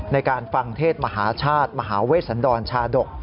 ในการฟังเทศมหาชาติมหาเวชสันดรชาดก